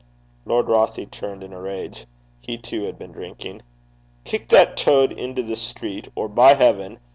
Lord Rothie turned in a rage. He too had been drinking. 'Kick that toad into the street, or, by heaven!